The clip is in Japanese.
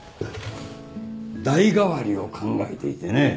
代替わりを考えていてね。